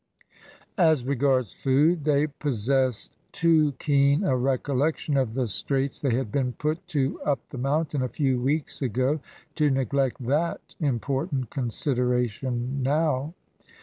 As regards food, they possessed too keen a recollection of the straits they had been put to up the mountain a few weeks ago to neglect that important consideration now.